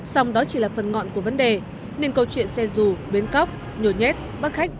xong đó chỉ là phần ngọn của vấn đề nên câu chuyện xe dù bến cóc nhồi nhét bắt khách